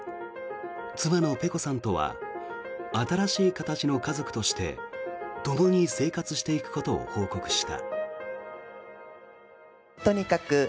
妻のｐｅｃｏさんとは新しい形の家族としてともに生活していくことを報告した。